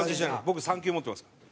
僕３級持ってますから。